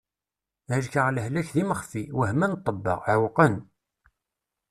Helkeɣ lehlak d imexfi, wehmen ṭṭebba, ɛewqen.